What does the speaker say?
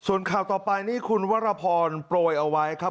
ส่วนข่าวต่อไปนี่คุณวรพรโปรยเอาไว้ครับ